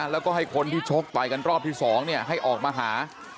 แล้วก็ให้คนที่ชกต่อยกันรอบที่๒ให้ออกมาหา